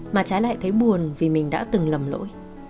mà trái lại thấy buồn vì mình đã từng lầm lỗi